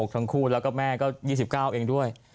ทั้งคู่แล้วก็แม่ก็๒๙เองด้วย